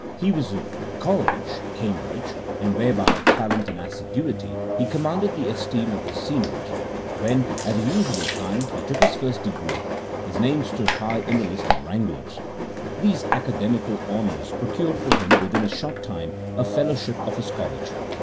He was of College, Cambridge, and where, by talent and assiduity, he commanded the esteem of his seniors; when, at the usual time, he took his first degree, his name stood high in the list of wranglers. These academical honours procured for him within a short time a Fellowship of his College.